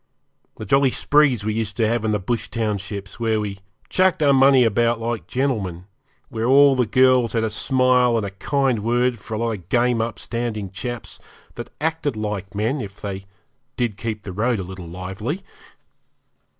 The jolly sprees we used to have in the bush townships, where we chucked our money about like gentlemen, where all the girls had a smile and a kind word for a lot of game upstanding chaps, that acted like men, if they did keep the road a little lively.